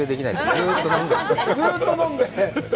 ずっと飲んで。